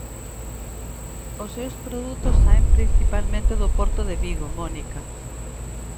Os seus produtos saen principalmente do porto de Vigo, Mónica.